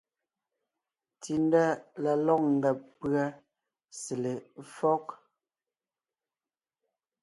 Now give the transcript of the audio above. Tsindá la lɔ̂g ngàb pʉ́a sele éfɔ́g.